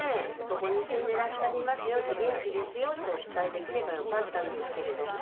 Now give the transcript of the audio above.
「どこに住んでらっしゃりますよ」って「元気ですよ」ってお伝えできればよかったんですけれども。